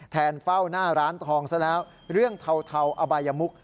เฝ้าหน้าร้านทองซะแล้วเรื่องเทาอบายมุก